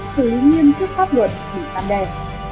xử lý nghiêm chức pháp luật hủy pháp đề